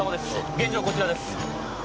現場はこちらです。